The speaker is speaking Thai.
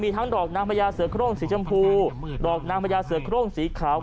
ทั้งดอกนางพญาเสือโครงสีชมพูดอกนางพญาเสือโครงสีขาว